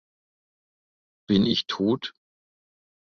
Bin ich tot?